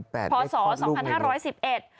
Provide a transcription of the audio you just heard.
พศ๒๕๑๑